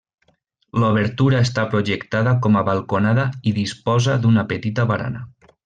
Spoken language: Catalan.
L'obertura està projectada com a balconada i disposa d'una petita barana.